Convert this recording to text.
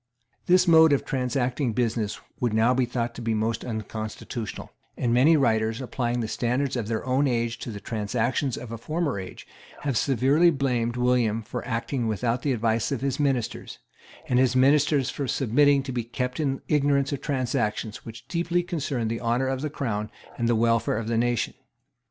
This mode of transacting business would now be thought most unconstitutional; and many writers, applying the standard of their own age to the transactions of a former age, have severely blamed William for acting without the advice of his ministers, and his ministers for submitting to be kept in ignorance of transactions which deeply concerned the honour of the Crown and the welfare of the nation.